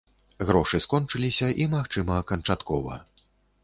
Грошы скончыліся, і, магчыма, канчаткова.